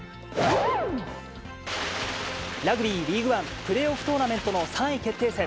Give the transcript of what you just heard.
ラグビーリーグワン、プレーオフトーナメントの３位決定戦。